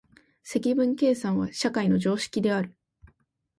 積分計算は社会の常識である。